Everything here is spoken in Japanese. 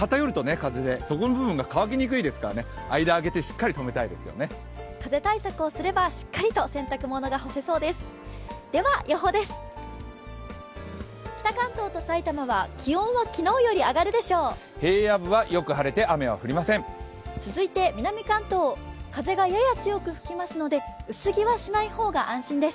風対策をすればしっかりと洗濯物が干せそうです。